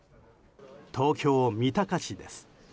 東京・三鷹市です。